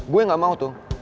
gue gak mau tuh